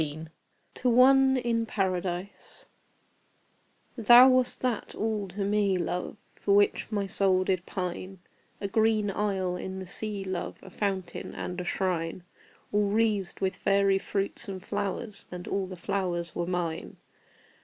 TO ONE IN PARADISE, Thou wast that all to me, love, For which my soul did pine A green isle in the sea, love, A fountain and a shrine, All wreathed with fairy fruits and flowers, And all the flowers were mine.